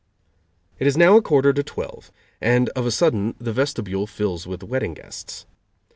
It is now a quarter to twelve, and of a sudden the vestibule fills with wedding guests.